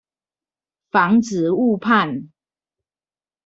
防止誤判